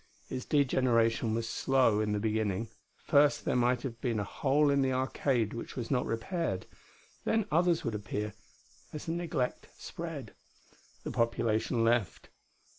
Its degeneration was slow, in the beginning. First, there might have been a hole in the arcade which was not repaired. Then others would appear, as the neglect spread. The population left.